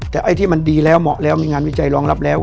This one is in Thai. แต่ไอ้ที่มันดีแล้วเหมาะแล้วมีงานวิจัยรองรับแล้ว